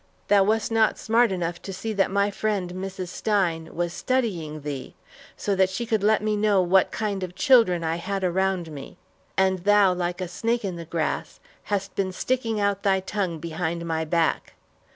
Thou wast not smart enough to see that my friend, Mrs. Stein, was studying thee, so that she could let me know what kind of children I had around me. And thou, like a snake in the grass, hast been sticking out thy tongue behind my back.